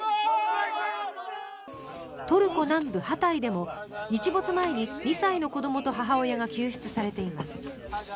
トルコ南部ハタイでも日没前に２歳の子どもと母親が救出されています。